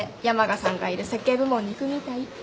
山賀さんがいる設計部門に行くみたい。